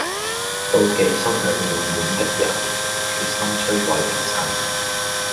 妒忌心裏滿滿的人，決心摧毀一切